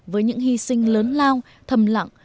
với những hy sinh lớn lao thầm lặng